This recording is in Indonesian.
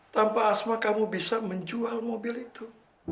tanpa asma kamu bisa menjual mobil itu